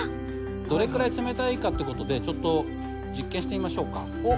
どれくらい冷たいかって事でちょっと実験してみましょうか。